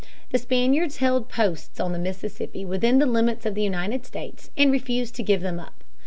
The Spaniards held posts on the Mississippi, within the limits of the United States and refused to give them up.